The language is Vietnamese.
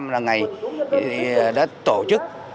là ngày đã tổ chức